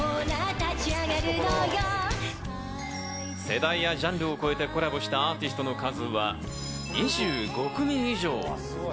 世代やジャンルを超えてコラボしたアーティストの数は２５組以上。